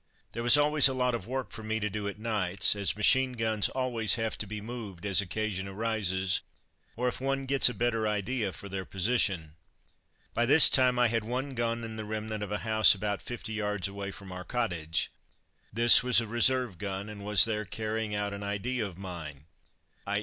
There was always a lot of work for me to do at nights, as machine guns always have to be moved as occasion arises, or if one gets a better idea for their position. By this time I had one gun in the remnant of a house about fifty yards away from our cottage. This was a reserve gun, and was there carrying out an idea of mine, _i.